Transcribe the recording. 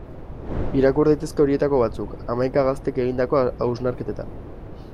Irakurri daitezke horietako batzuk, hamaika gaztek egindako hausnarketetan.